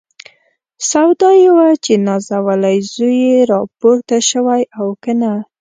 سودا یې وه چې نازولی زوی یې راپورته شوی او که نه.